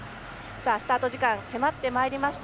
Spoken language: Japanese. スタート時間迫ってまいりました。